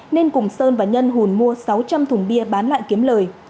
nên cùng sơn và nhân hùn mua sáu trăm linh thùng bia bán lại kiếm lời